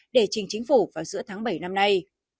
để trình chính phủ vào giữa tháng bảy năm nay